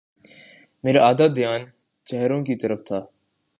میرا آدھا دھیان چہروں کی طرف تھا۔